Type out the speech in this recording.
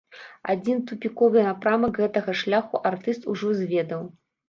Адзін тупіковы напрамак гэтага шляху артыст ужо зведаў.